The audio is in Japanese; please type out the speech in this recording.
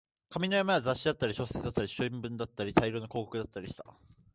紙の山は雑誌だったり、小説だったり、新聞だったり、大量の広告だったりした